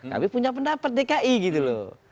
kami punya pendapat dki gitu loh